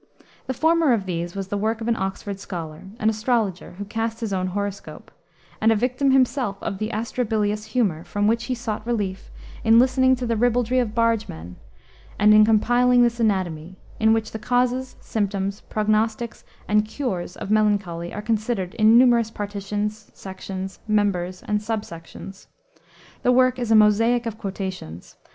The former of these was the work of an Oxford scholar, an astrologer, who cast his own horoscope, and a victim himself of the atrabilious humor, from which he sought relief in listening to the ribaldry of barge men, and in compiling this Anatomy, in which the causes, symptoms, prognostics, and cures of melancholy are considered in numerous partitions, sections, members, and subsections. The work is a mosaic of quotations.